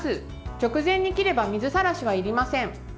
直前に切れば水さらしはいりません。